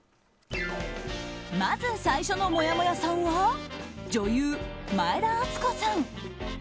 まず最初のもやもやさんは女優・前田敦子さん。